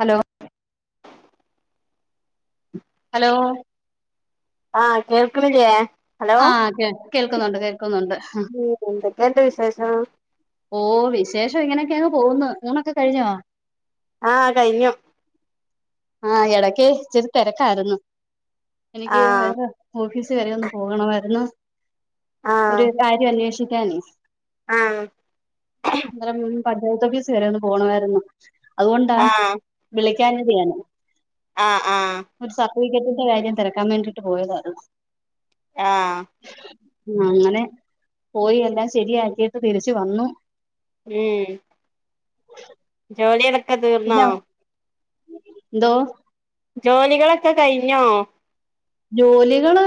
Hello. Hello ആഹ് കേൾകാണില്യേ ആഹ് അതെ. കേൾക്കുന്നുണ്ട് കേള് കേൾക്കുന്നുണ്ട് ഉം എന്തൊക്കെയുണ്ട് വിശേഷം ഓ വിശേഷം ഇങ്ങനെ ക്കെ അങ്ങ് പോവ്ന്ന് ഊണ് ഒക്കെ കഴിഞ്ഞോ ആഹ് കഴിഞ്ഞു ആഹ് എടക്ക് ഇച്ചിരി തെരക്കായിരുന്നു എനിക്ക് ആഹ് വേറെ ഓഫീസ് സ് വരെ ഒന്ന് പോകണമായിരുന്ന് ആഹ് ഒരു കാര്യം അന്വേഷി ക്ക്യാനേ ആഹ് അന്ന്രരം പഞ്ചായത്ത് ഓഫീസ് വരെ ഒന്ന് പോണവായ്രുന്നു അതുകൊണ്ടാ ആഹ് വിളി ക്ക്യാഞ്ഞത് ഞാന് ആഹ് ആഹ് ർട്ടിഫികറ്റിൻ്റെ കാര്യം തെരക്കാൻ വേണ്ടീട്ട് പോയതാ അത് ആഹ് അങ്ങനെ പോയി എല്ലാം ശരിയാക്കിട്ട് തിരിച്ച് വന്നു ഉം ജോലി [unintelligible] ക്കെ തീർന്നോ പിന്നെ എന്തോ ജോലികളൊക്കെ കഴിഞ്ഞോ ജോലികള്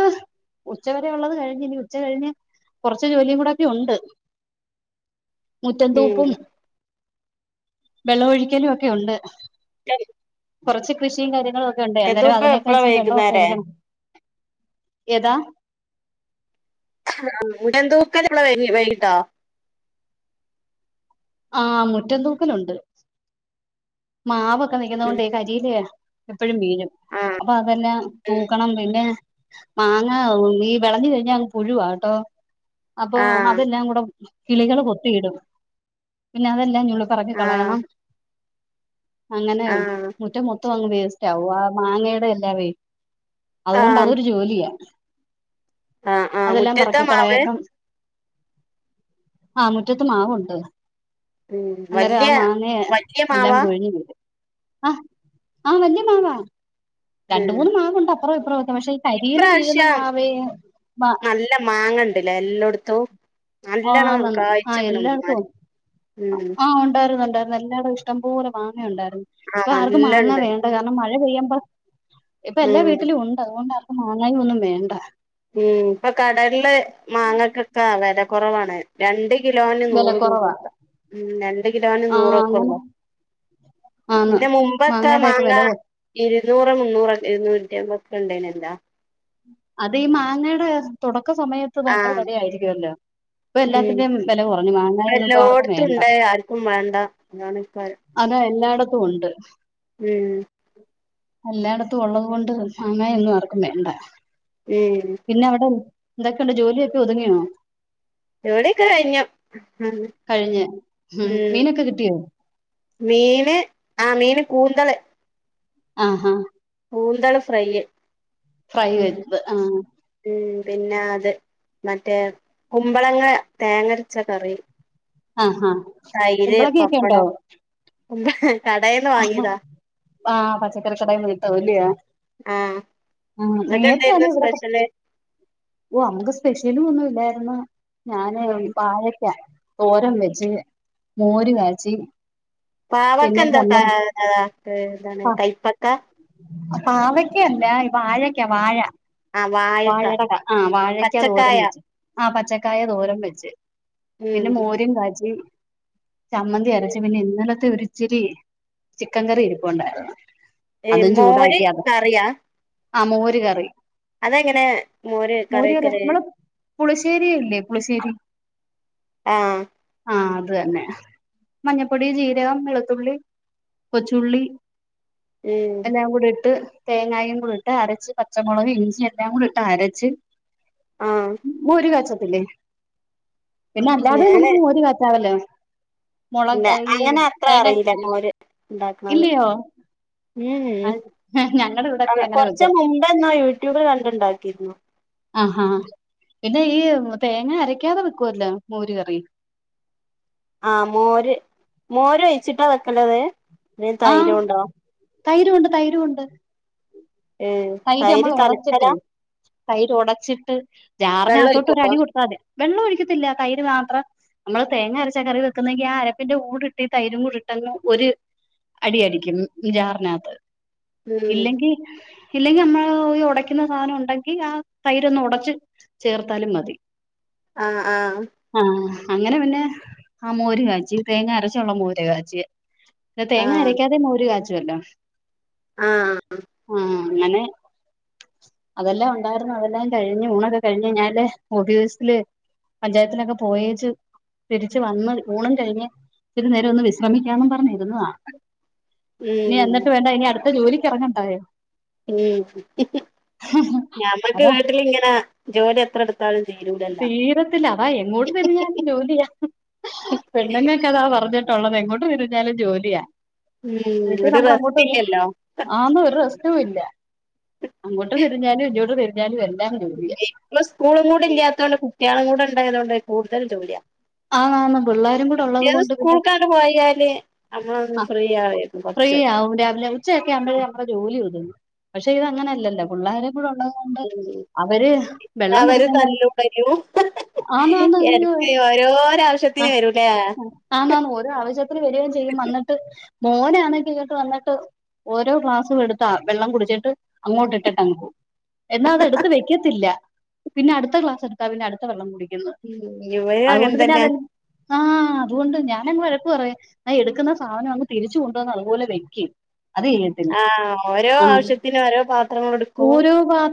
ഉച്ചവരെ ഉള്ളത് കഴിഞ്ഞ് ഇനി ഉച്ച കഴിഞ്ഞ് കൊറച്ച് ജോലിയും കൂടോക്കെ ഒണ്ട് മുറ്റം ഉം തൂപ്പും വെള്ളം ഒഴിക്കലും മൊക്കെ ഉണ്ട് ശരി കുറച്ച് കൃഷിയും കാര്യങ്ങളും ഉണ്ട് അതിനൊക്കെ എപ്പളാ ഇച്ചിരി വെള്ളമൊക്കെ വൈകുന്നേരെ ഒഴിക്കണം ഏതാ [unintelligible] വൈകിട്ടോ ആഹ് മുറ്റംതൂക്കലുണ്ട് മാവ് ഉം ക്കെനിക്കുന്നെകൊണ്ട് കരിയിലായ എപ്പോഴും വീഴും ആഹ് അപ്പൊ അതെല്ലാം ഉം തൂക്കണം പിന്നെ പി മാങ്ങ ഈ വിളഞ് കഴിഞ്ഞാ അങ്ങ് പുഴുവാട്ടോ അപ്പൊ ആഹ് അതെല്ലാം കൂടെ കിളികള് കൊത്തിയിടും പിന്നെ അതെ എല്ലാ നുള്ളി പറക്കി ആഹ് കളയണം അങ്ങനെ ആഹ് മുറ്റ മൊത്തം അങ്ങ് വ സ്റ്റാവുവ മാങ്ങയുടെ എല്ലാവേ അതുകൊണ്ട് അതൊരു ജോലിയാ ആ ആഹ് അതെല്ലാം മുറ്റത്താ പറക്കി മാവ് കളയക്കം ആ മുറ്റത്ത് മാവുണ്ട് ഉം അന്നേരം വലിയ ആ മാങ്ങ വലിയ എല്ലാം കൊഴിഞ്ഞുവീണു ആഹ് വലിയ മാവാ ഉം രണ്ട്മൂന്ന് മാവ് ഒണ്ട് അപ്പുറംഇപ്പുറം ഇപ്രാവശ്യം മാ നല്ല മാങ്ങണ്ടില്ലേ എല്ലായിടത്തും നല്ലണ്ണം ആന്നെന്ന് ആ കഴ്ച്ച്ക്ക്ണ് എല്ലായിടത്തും മരം ഉണ്ട് ഉം എല്ലായിടം ഇഷ്ടം പോലെ മാങ്ങ ഉണ്ടായിരുന്നു. ആഹ് ഇപ്പോ ആർക്കും മാങ്ങ നല്ലണ്ട് വേണ്ട കാരണം മഴ. മഴപെയ്യുമ്പോ ഇപ്പോ എല്ലാ ഉം വീട്ടിലും ഉണ്ട് അതുകൊണ്ടാ. മാങ്ങായൊന്നും വേണ്ട. ഉം ഇപ്പോ കടകളിലെ മാങ്ങക്കൊക്കെ ആ വില. കുറവാണ് രണ്ട്. കിലോന് വില നൂറ് കുറവാ രൂപക്കെ ഉം രണ്ട് കിലോന് ആ നൂറൊക്കെ അങ്ങനെ ഉള്ളൂ ആന്ന് പിന്നെ മുമ്പക്കെ മാങ്ങയുടെയൊക്കെ മാങ്ങ വില കൊ ഇരുന്നൂറ് മുന്നൂറ ഇരുന്നൂറ്റ ണ്ടേനല്ലാ അത് ഈ മാങ്ങയുടെ തുട ക്ക സമയത്ത് ഭയങ്കര ആഹ് വില ആയിരിക്കുമല്ലോ. ഇപ്പൊ എല്ലാത്തിന്റെയും വില കുറഞ്ഞു. മാങ്ങായൊന്നും ഇപ്പൊ ആർക്കും എല്ലായിടത്തും വേണ്ട ഉണ്ട് ആർക്കും വേണ്ട അതാണയ്ക്കാരം ടത്തും ഉണ്ട്. ഉം എല്ലായിടത്തും ഉള്ളത് കൊണ്ട് മാങ്ങയൊന്നും ആർക്കും വേണ്ട. ഉം പിന്നവിടെ എന്തൊക്കെയുണ്ട് ജോലിയൊക്കെ ഒതുങ്ങിയോ. ഇവിടെയൊക്കെ കഴിഞ്ഞു ഉം കഴിഞ്ഞ് ഉം മ്മ് മീനൊക്കെ കിട്ടിയോ മീന് ആ മീൻ. കൂന്തള് ആഹ് കൂന്തള് ഫ്രൈ ഫ്രൈ ഉം വെന്ത ആഹ്. പിന്നെ അത് മറ്റേ കുമ്പളങ്ങ തേങ്ങ അരച്ച കറി. ആഹ് തൈര് കുമ്പളങ്ങ ഒക്കെ ഉണ്ടോ. പപ്പടം [unintelligible] വാങ്ങിയതാ ആഹ് പച്ചക്കറി കടയിൽ പോയിട്ട് [unintelligible] ആഹ് ഉം ഇങ്ങക്ക് നേരത്തെ അത് എന്തായിരുന്നു ഇവിടെ ഒക്കെ സ്പെഷ്യല് ഓ ഞങ്ങൾക് സ്പെഷ്യൽ ഒന്നുമില്ലായിരു എന്നാ ഞാന് വാഴക്കാ തോരൻ വെച്ച് മോര് കാച്ചി. പാവയ്ക്ക പിന്നെ എന്താ ചമ്മന്തി [unintelligible] എന്താണ് കൈപ്പക്ക. പാവയ്ക്ക അല്ല വാഴക്ക വാഴ. ആഹ് വാഴക്ക വാഴ കാ വാഴക്കാ തോരൻ പച്ചക്കായ വെച്ച് ആ പച്ചക്കായ തോരൻ വെച്ച് ഉം പിന്നെ മോരും കാച്ചി ചമ്മന്തി അരച്ച് പിന്നെ ഇന്നലത്തെ ഒരു ശരി ചിക്കൻ കറി ഇരിപ്പുണ്ടായിരുന്നു അതും മോര് ചൂടാക്കി അത് കറിയാ ആ മോര് കറി അതെങ്ങനെ കറി മോര് കറിയാ വെക്കല് മ്മളെ പുളശ്ശേരില്ലേ പുളശ്ശേരി ആഹ ആ അത് തന്നെ മഞ്ഞപ്പൊടി ജീരകം വെളുത്തുള്ളി കൊച്ചുള്ളി ഉം എല്ലാ കൂടെ ഇട്ട് തേങ്ങായും കൂടി ഇട്ട് അരച്ച് പച്ചമുളക് ഇഞ്ചി എല്ലാം കൂടി ഇട്ട് അരച്ച് ആഹ് മോര് കാച്ച് അല്ലേ പിന്നെ അല്ലാതെ നമുക്ക് മോര് കാച്ചവല്ലോ പില്ലെ അങ്ങനെ അത്ര തേങ്ങ അറിയില്ല മോര് ഉണ്ടാക്കുന്നത് ഇല്ലയോ ഉം ഞങ്ങടെ അ ഇവിടൊക്കെ അങ്ങനെ കൊറച്ച വെക്കും മുമ്പ് എന്നോ യൂട്യൂബിൽ കണ്ടുണ്ടാക്കിരുന്നു ആഹാ പിന്നെ ഈ തേങ്ങ അരക്കാതെ വെക്കുവല്ലോ മോര് കറി ആ മോര് മോര ഒഴിച്ചിട്ടാ വെക്കലത് പിന്നെ ആഹ തൈരുണ്ടോ തൈരുമുണ്ട് തൈരുമുണ്ട് ഏ തൈര് കലക്കല തൈര് ഒടച്ചിട്ട് ചാറിനകത്തോട്ട് ഒഴിക്കോ ഒരടി കൊടുത്താതിയാ വെള്ളം ഒഴിക്കത്തില്ല, തൈര് മാത്രം നമ്മള് തേങ്ങ അരച്ച കറി വെക്കുന്നെങ്കി ആ അരപ്പിന്റെ കൂടിട്ടി തൈരും കൂടി ഇട്ടങ്ങ് ഒരു അടിയടിക്കും ജാറിനാത്ത് ഉം ഇല്ലെങ്കി ഇല്ലെങ്കി നമ്മള് ഒടയ്ക്കുന്ന സാധനം ഒണ്ടെങ്കി ആ തൈരൊന്ന് ഒടച്ച് ചേർത്താലും മതി. ആഹ് ആഹ് ആഹ് അങ്ങനെ പിന്നെ, ആ മോര് കാച്ചി തേങ്ങ അരച്ചുള്ള മോര് കാച്ചി പിന്നെ തേങ്ങ അരയ്ക്കാതെയും മോര് കാച്ച് വല്ലോ ആഹ് അങ്ങനെ അതെല്ലാം ഒണ്ടായിരുന്നു അതെല്ലാം കഴിഞ്ഞു, ഊണൊക്കെ കഴിഞ്ഞ് ഞാനിലെ ഓഫീസില് പഞ്ചായത്തിലൊക്കെ പോയേച്ച് തിരിച്ചു വന്ന് ഊണും കഴിഞ്ഞ് ഇത്തിരി നേരം ഒന്ന് വിശ്രമിക്കാന്ന് പറഞ്ഞിരുന്നതാ. ഇനീ ഉം എന്നിട്ട് വേണ്ടേ ഇനി അടു ത്ത ജോലിക്ക് എറങ്ങണ്ടായോ? മം ഞമ്മക്ക് അതാ വീട്ടിലിങ്ങനെ ജോലി എത്ര എട് തീരത്തില്ല അതാ എങ്ങോട്ട് തിരിഞ്ഞാലും ജോലിയാ. പെണ്ണുങ്ങക്കതാ പറഞ്ഞ ട്ടുള്ളതെ എങ്ങോട്ട് തിരിഞ്ഞാലും ജോലിയാ. ഉം എന്ന് വച്ച് ഒരു നമ്മൾ അങ്ങോട്ട് [unintelligible] റെസ്റ്റില്ലല്ലോ ആന്ന് ഒര് റസ് സ്റ്റൂല്ലാ. അങ്ങോട്ട് തിരിഞ്ഞാലും ഇങ്ങോട്ട് തിരി ഞാലു എൽ [unintelligible] ഇപ്പം സ്കൂളും കൂടി ഇല്യാ ത്തോണ്ട് കുട്ടിയാളും കൂടെ ഉണ്ടായതുകൊണ്ടേ കൂടുതൽ ജോലിയാ. ആന്ന് ആന്ന് പിള്ളേരും കൂടെ ഉള്ളത് മറ്റേത് കൊണ്ട് പിന്നെ സ്കൂൾക്കാണ്ട് പോയാല് നമ്മളൊന്ന് അഹ് ഫ്രീ ആയിരുന്നു കൊറച്ച് ഫ്രീയാവും രാവിലെ ഉച്ചയൊക്കെ ആവുമ്പോഴേ നമ്മടെ ജോലി [unintelligible] പക്ഷെ ഇതങ്ങനല്ലല്ലോ പിള്ളാര് കൂടള്ളതോണ്ട് ഉം അവര് വെള്ളം അവര് കുടിക്കണ്ട തല്ലും വരും ആന്ന് ആന്ന് ഉയ്യോ എടക്ക് ഓരോരോ ആ ആവശ്യത്തിന് വരൂലേ ആന്ന് ആന്ന് ഓരോ ആവശ്യത്തിന് വരേം ചെയ് ചെയ്യും അന്നിട്ട് മോനാണെങ്കി ഇങ്ങട്ട് വന്നിട്ട് ഓരോ ഗ്ലാസും എടുത്താ വെള്ളം കുടിച്ചിട്ട് അങ്ങോട്ട് ഇട്ടിട്ട് അങ്ങുപോകും. എന്നാ അത് എടുത്ത് വെക്കത്തില്ല. പിന്നെ അടുത്ത ഗ്ലാസ് എടുത്താ പിന്നെ അടുത്ത വെള്ളം കുടി മം ഇവനും അങ്ങനെ തന്നെ ആ അതുകൊണ്ട് ഞാനങ്ങു വഴക്ക് പറയാ എടുക്കുന്ന സാധനം അങ്ങ് തിരിച്ചുകൊണ്ടുവന്ന് അതുപോലെ വെയ്ക്ക് ആ ഓരോ ആവശ്യത്തിന് ഓരോ പാത്രങ്ങൾ എടുക്കും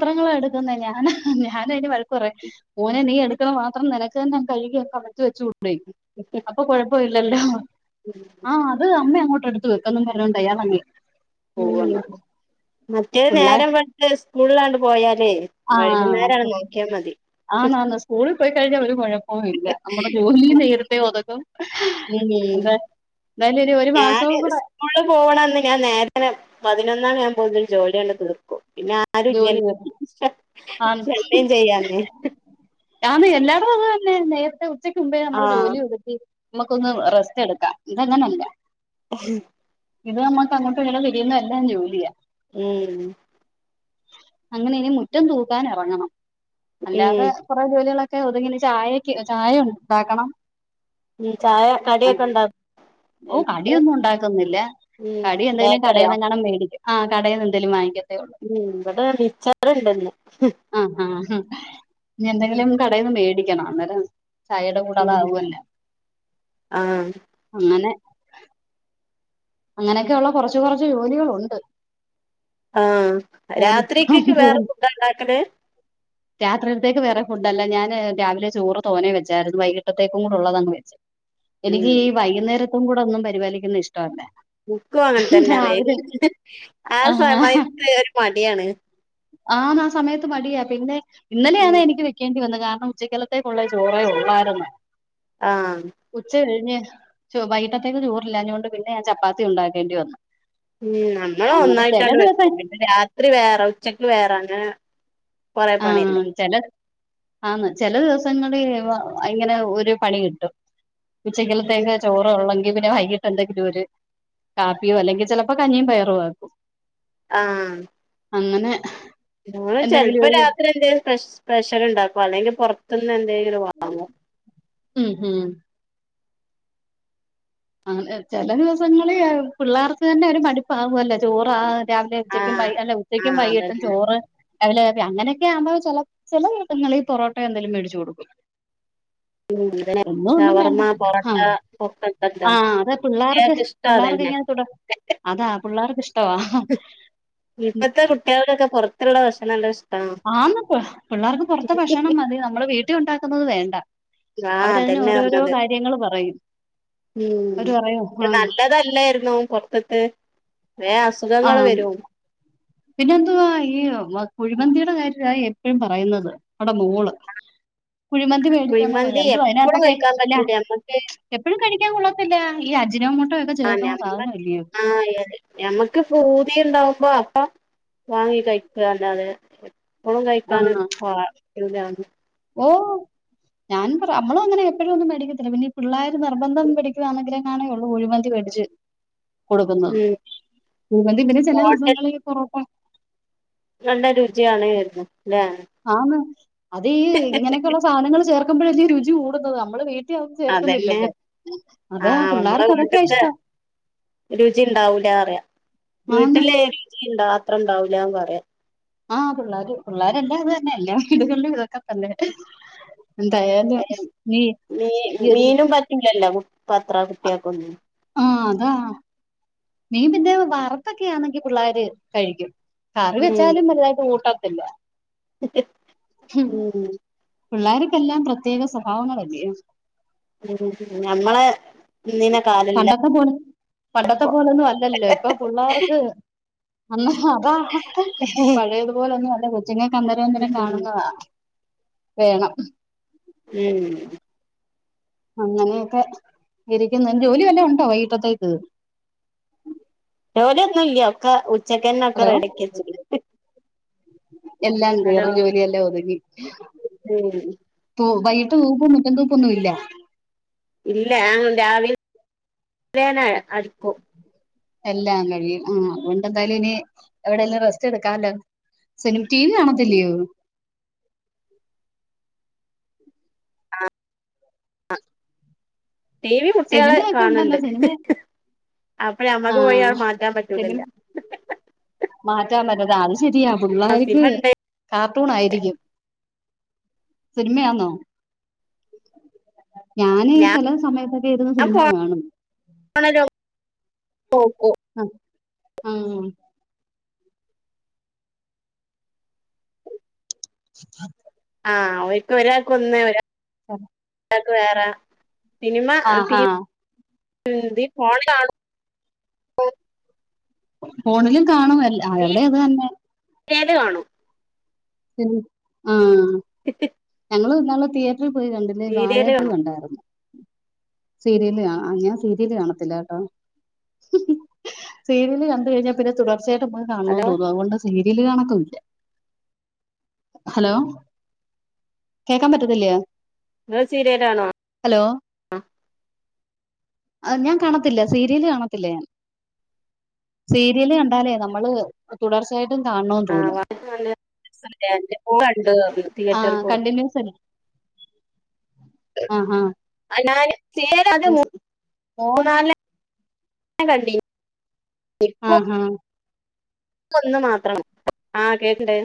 പാത്രങ്ങള എടുക്കുന്നെ ഞാനാ ഞാനായിന് വഴക്കു പറയും മോനെ നീ എടുക്കുന്ന പാത്രം നിനക്ക് തന്നെ അങ്ങ് കഴുകിയൊക്കെ അടച്ചുവച്ചൂടെ അപ്പോ കുഴപ്പമില്ല ല്ലല്ലോ ആ അത് അം അങ്ങോ തട്ടടുത്ത് വെക്കും എന്നുപറഞ്ഞോണ്ട് അയാളങ്ങ് പോവുന്ന ഉം മറ്റേ പിള്ളേര് നേരം വെളുത്ത് സ്കൂളിലാണ്ട് പോയാലേ ആ വൈകുന്നേരാണ് നോക്കിയാ മതി ആന്ന് ആന്ന് സ്കൂളിൽ പോയി കഴിഞ്ഞാൽ ഒരു കുഴപ്പവും ഇല്ല നമ്മുടെ ജോലിയും നേരത്തെ ഒതുക്കും ഉം ഉം എന്താ എന്തായാലും ഇനി ഒരു മാസവും ഞാന് കൂടെ സ്കൂൾ പോവ്ണന്ന് ഞാൻ നേരത്തെ പതിനൊന്നണി ആവു കൂടുതൽ ജോലിയണ്ട് തീർക്കും പിന്നെ ജോലി ആരുല്ലല്ലോ ആന്ന് ശല്യം ചെയ്യാന് ആന്ന് എല്ലായിടും അത് തന്നെ നേരത്തെ ഉച്ചയ്ക്ക് മുമ്പേ നമ്മള് ആഹ് ജോലി ഉതുക്കി നമുക്കൊന്ന് റെസ്റ്റ് എടുക്കാം ഇതങ്ങനല്ല ഇത് നമ്മക്ക് അങ്ങോട്ട് ങ്ങനെ തിരിയുന്നെല്ലാം ജോലിയാ ഉം അങ്ങനെ ഇനി മുറ്റം തൂക്കാൻ എറങ്ങണം ഉം അല്ലാതെ കൊറേ ജോലികളൊ ക്കെ ഒതുങ്ങി ഇനി ചായക്ക് ചായ ഉണ്ടാക്കണം ഉം ചായ കടിയൊക്കെ ഇണ്ടാ ഓ കടിയൊന്നും ഉണ്ടാക്കുന്നില്ല കടി എന്തെങ്കിലും ബേക്കറിയോ കടേന്നങ്ങാനും മേടി ആഹ് കടേന്ന് എന്തേലും വാങ്ങിക്ക ത്തെയുള്ളു ഉം ഇവിടെ മിച്ചറുണ്ട്ന്ന് ആഹ് ആഹ് ഇനി എന്തെങ്കിലൊന്ന് കടേന്ന് മേടി [unintelligible] അന്നേര ചയെടെ കൂടെ ഉം അതാവുവല്ലോ ആഹ് അങ്ങനെ അങ്ങനെയൊക്കെയ ഉള്ള കൊറച്ചു കൊറച്ച് ജോലികളുണ്ട് ആഹ് രാത്രിക്ക് പൂർ വേറെ ഫുഡാ ഉണ്ടാക്കല് രാത്രിയിലത്തേക്ക് വേറേ ഫുഡല്ല ഞാന് രാവിലെ ചോറ് തോനേ വെച്ചായിരുന്നു വൈകിട്ടത്തേകും കൂടെ ഉള്ളതങ് വച്ച് എനിക്ക് ഉം ഈ വൈകുന്നേര കൂടെ ഒന്നും പരിപാലികുന്ന ഇഷ്ടല്ല എനിക്കും അങ്ങനെ തന്നെ വേ ആ സമയത്ത് ഒരു മടിയാണ് ആന്ന് ആ സമയത്ത് മടിയാ പിന്നെ ഇന്നലെയാണ് ഉം എനിക്ക് വക്കേണ്ടിവന്നത് കാര ഉച്ചക്കലത്തേക്കുള്ള ചോറെ ഉള്ളായിരുന്നു ആഹ് ഉച്ച കഴിഞ്ഞു ചൊ വൈകട്ടത്തേക്ക് ചോറില്ലഞ്ഞുകൊണ്ട് പിന്നെ ഞാൻ ചപ്പാത്തി ഉണ്ടാക്കേണ്ടി വന്നു ഉം നമ്മള അങ്ങനെ ചില ഒന്നായിട്ടാണ്ട് ദിവസം വെക്കും പിന്നെ രാത്രി വേറെ ഉച്ചക്ക് വേറ [unintelligible] ആഹ് ചെല ആന്ന് ചെല ദിവസങ്ങളിൽ വ ഇങ്ങനെ ഒരു പണി കിട്ടും. ഉച്ചക്കലത്തേക്ക് ചോറ് ഒള്ളെങ്കി പിന്നെ വൈകിട്ട് എന്തെങ്കിലും ഒര് കാപ്പിയോ അല്ലെങ്കി ചെലപ്പോ കഞ്ഞിയും പയറും ആക്കും. ആ അങ്ങനെ ഞങ്ങള് എന്തെങ്കിലും ചെലപ്പം രാ ഒരു ത്രി എന്തേലും സ്പെഷ്യ സ്പെഷ്യല്ണ്ടാക്കും അല്ലെങ്കി പൊ റത്ത്ന്ന് എന്തേ ങ്കിലും വാങ്ങും. ഉം ഹൂം അ എ ചെല ദിവസങ്ങളി പിള്ളേർക്ക് തന്നെ ഒരു മടുപ്പാവല്ലോ ചോറ ആ ആ രാവിലെ ഉച്ചയ്ക്കും വൈ ആഹ് അല്ല ഉച്ചയ്ക്കും ആഹ് വൈകിട്ടും അതന്നെ ചോറ് [unintelligible] അങ്ങനെയൊക്കെ ആവുമ്പോ ചെല ചെല ദിവസങ്ങളിൽ പൊറോട്ട എന്തേലും മേടിച്ചു കൊടുക്കും. ഉം [unintelligible] ഷവർമ്മ പൊറാട്ട ആ അത് പിള്ളേർക്ക് പിള്ളേർക്ക് ഇങ്ങനെ തുട അതാ പിള്ളേർക്ക് ഇഷ്ടവാ പൊറത്തുള്ള [unintelligible] ആന്ന്പ്പോ പിള്ളേർക്ക് പൊറത്തെ ഭക്ഷണം മതി നമ്മള വീ ട്ടിലുണ്ടാക്കുന്നത് വേണ്ട ആഹ് അവരതിന് അതന്നെ ഓരോരോ പറഞ്ഞത് കാര്യങ്ങൾ പറയും ഉം അവര് പറയും ഷേ ആഹ് നല്ലതല്ലര്ന്നും പൊർത്ത്ത്ത് വേം അസുഖങ്ങള് ആഹ് വരും. പിന്നെന്തുവാ ഈ വാ കുഴിമന്തിയുടെ കാര്യാ യേ എപ്പഴും പറയുന്നത് ആടെ മോള് കുഴിമന്തി മേടിക്കുമ്പോ കുഴിമന്തി എന്തോ എപ്പളും അതിനകത്തൊക്കെ കഴിക്കാൻ പറ്റൂല ഞമ്മക്ക്. ഴിക്കാ കൊള്ളത്തില്ല ഈ അജനാമോ ആ ഞമ്മക്ക് ആ ഞമ്മക്ക് ഫൂതി ഉണ്ടാവും. പൊറാട്ട വാങ്ങി കഴിക്കന്നല്ലാതെ. പ്പോഴും കഴിക്കാന് ആഹ് പോവാ [unintelligible] ഓ ഞാനും പറ അമ്മളും അങ്ങനെ എപ്പഴും ഒന്നും മേടിക്കത്തില്ല പിന്നെ ഈ പിള്ളാര് നിർബന്ധം പിടിക്കുവാന്നങ്കില് ങ്ങാനു ഒള്ളു കുഴിമന്തി വേടിച്ച് കൊടുക്കുന്നത് ഉം കുഴിമന്തീം പിന്നെ ചില ദിവസങ്ങളില് പൊറോട്ട. നല്ല രുചിയാണ് കരുതും ലെ ആന്ന് അതീ ഇങ്ങനെയൊക്കെള്ള സാധനങ്ങൾ ചേർ [unintelligible] രുചി കൂടുന്നത് നമ്മള് മേ അതന്നെ ആഹ് നമ്മള് പിള്ളേർക്ക് അതൊക്കെയാ വീട്ട്ത്തെ ഇഷ്ടം രുചി ഇണ്ടാവൂല അറിയാ. ആന്ന് വീട്ടിലേഡിക്കി. ആ അത്ര ഉണ്ടാവൂലാന്ന് പറയ ആ പിള്ളേർ പിള്ളോരല്ലാം അത് തന്നെ എല്ലാ വീടുകളിലും ഇതൊക്കെ തന്നെ എന്തായാലും നീ മീ ഈ ഒരു മീനും പറ്റൂലല്ലോ പത്ര കിട്ടിയ കൊന്ന് ആ അതാ മീൻ പിന്നെ വറുത്തൊക്കെയാണെങ്കി പിള്ളേർ കഴിക്കും കറി വെച്ചാലും വലുതായിട്ട് കൂട്ട അല്ല മ് മ് പിള്ളേർക്കെല്ലാം പ്രത്യേക സ്വഭാവങ്ങളല്ലയോ മ് ഞമ്മളെ ഇന്നീന കാലല്ല പണ്ടത്തെ പോലെ പണ്ടത്തെ പോലൊന്നും അല്ലല്ലേ ഇപ്പൊ പിള്ളാർക്ക് അന്ന് അതാ പഴയതുപോലെ ഒന്നു അല്ല ഞങ്ങ കന്ദരമന്ദരം ഉം കാണുന്നതാ വേണം മ് അങ്ങനെയൊക്കെ ഇരിക്കുന്ന ജോലി വല്ലോം ഉണ്ടോ വൈകിട്ടത്തേക്ക് ജോലി ഒന്നുല്ല്യാ ഒക്കെ ഉച്ചക്കന്നെ ഒക്കെ ഹലോ റെഡിക്ക് വെച്ചിട്ട് എല്ലാം തീർന്ന് ജോലിയെല്ലാം ഒതുക്കി. ഉം ഓ വൈകിട്ട് തൂപ്പൊന്നും മുറ്റം തൂപ്പൊന്നും ഇല്ല. ഇല്ല ഞൻ രാവില് രാവിലെന്നെ അടിക്കും. എല്ലാം കഴിയും ആ അതുകൊണ്ട് എന്തായാലും ഇനി എവിടെയെല്ലാം റെസ്റ്റ് എടുക്കാലോ സിനി ടി വി കാണത്തില്ലയോ. ആഹ് ടി വി കുട്ടികള് സിനിമയൊക്കെ കാണണ്ട് ഉണ്ടല്ലോ സിനിമ അപ്പഴാ അമ്മക്ക് പോയി ആ അവ മാറ്റാൻ പറ്റുല്ലല്ലോ മാറ്റൻ പറ്റത്തെ. ത് ശരിയാ പിള്ളേർക്ക് കാർട്ടൂൺ ആയിരിക്കും. സിനിമയാന്നോ. ഞാന് ചില സമയത്തൊക്കെ ഇര്ന്ന് സിനിമ കാണും. ഓ. അ ആ. [inaudible] ആ ഓര്ക്ക് ഒരാക്ക് ഒന്ന് ഒരാ [unintelligible] രാക്ക് വേറ. സിനിമ ടീ ആഹാ [unintelligible] ഫോണിലും കാണും ല്ല എവിടെ അത് തന്നെ ത്‌ കാണോ ആ ഞങ്ങള് നല്ല തീ ഇ പോയി കണ്ടില്ലേ വാഴാ സീരിയല് ചൂ കാണും കണ്ടായിരുന്നു സീരിയല് അ ആ ഞാൻ സീരിയല് കാണത്തില്ലകേട്ടൊ സീരിയല് കണ്ട്കഴിഞ്ഞാപിന്നെ തുടർ ചേട്ടൻ പോയി കാണണോന്ന് ഹലോ തോനുന്നു അതുകൊണ്ടാ സിമ്മി വില്ല് കണക്കുല്ല ഹലോ കേക്കാൻ പറ്റത്തില്ലേ ങ്ങള് സീരിയലാണോ അ ആ ഞാൻ കാണത്തില്ല സീരിയല് കാണത്തില്ല ഞാൻ സീരിയല് കണ്ടാലേ നമ്മള് തുടർച്ചയായിട്ടും കാൺണോം ആ തോന്നും നല്ല എന്റെ മോള് കണ്ടു തിയേറ്ററിൽ ആഹ് പോയി കണ്ടിന്യൂസ് അല്ല ആഹ് അ ഞാന് ശേർ അത് ആഹ് മോൻ മൂന്നാറ [unintelligible] ന്ന കണ്ടി ആ ആഹ ഒന്ന് മാത്രണ് ആ കേണ്ട്